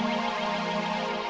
ya seperti itu